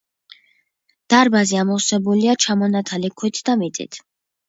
დარბაზი ამოვსებულია ჩამონაშალი ქვით და მიწით.